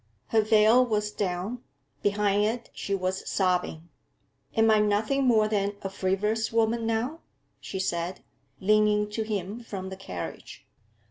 Her veil was down; behind it she was sobbing. 'Am I nothing more than a frivolous woman now?' she said, leaning to him from the carriage.